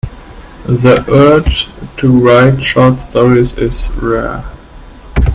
The urge to write short stories is rare.